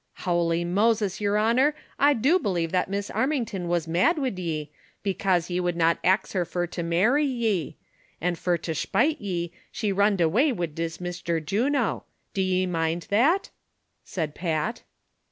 '' Ilowly Moses, yer lionor, I do behive that Miss Arm ington was mad wid ye, becase ye would not axe her fur to marry ye ; an' fur to shpite ye, she runned away wid this Mishter Juno ; do ye mind that V " said Pat.